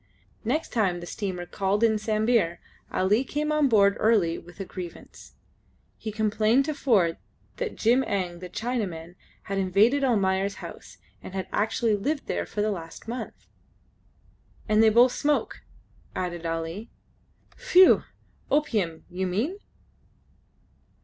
Next time the steamer called in Sambir Ali came on board early with a grievance. He complained to Ford that Jim Eng the Chinaman had invaded Almayer's house, and actually had lived there for the last month. "And they both smoke," added Ali. "Phew! Opium, you mean?"